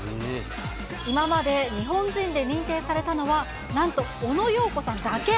今まで日本人で認定されたのは、なんとオノ・ヨーコさんだけ。